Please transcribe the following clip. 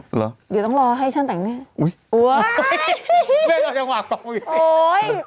เดี๋ยวต้องรอให้ฉันแต่งด้วย